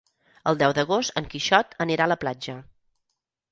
El deu d'agost en Quixot anirà a la platja.